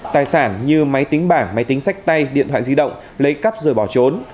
tài sản như máy tính bảng máy tính sách tay điện thoại di động lấy cắp rồi bỏ trốn